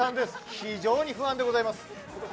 非常に不安でございます。